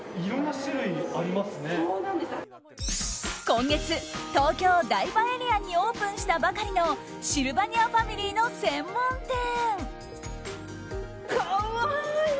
今月、東京・台場エリアにオープンしたばかりのシルバニアファミリーの専門店。